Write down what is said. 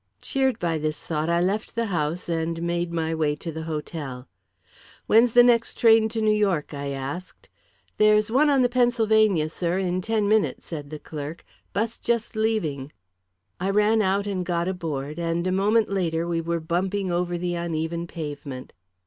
Cheered by this thought, I left the house and made my way to the hotel. "When's the next train to New York?" I asked. "There's one on the Pennsylvania, sir, in ten minutes," said the clerk. "'Bus just leaving." I ran out and got aboard, and a moment later we were bumping over the uneven pavement.